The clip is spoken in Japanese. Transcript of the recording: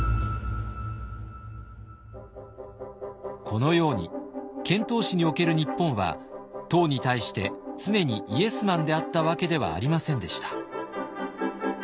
このように遣唐使における日本は唐に対して常にイエスマンであったわけではありませんでした。